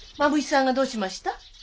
蝮さんがどうしました？